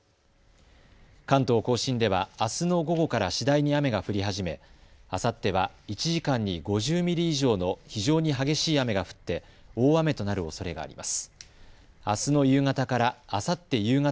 関東甲信ではあすの午後から次第に雨が降り始めあさっては１時間に５０ミリ以上の非常に激しい雨が降って大雨となるおそれがあります。